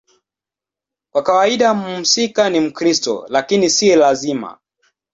Kwa kawaida mhusika ni Mkristo, lakini si lazima.